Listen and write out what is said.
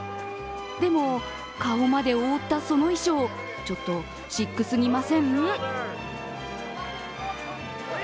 でも、顔まで覆ったその衣装ちょっと、シックすぎません？